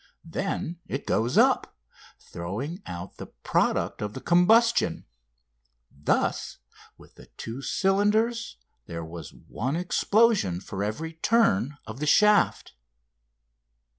Then it goes up, throwing out the product of combustion. Thus with the two cylinders there was one explosion for every turn of the shaft.